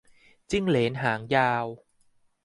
จิ้งเหลนหางยาว